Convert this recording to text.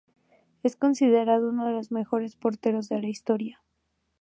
Es considerado uno de los mejores porteros de la historia